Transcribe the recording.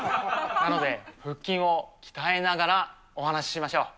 なので、腹筋を鍛えながら、お話ししましょう。